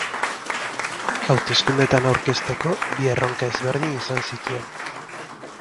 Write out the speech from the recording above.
Hauteskundetan aurkezteko bi erronka ezberdin izan zituen.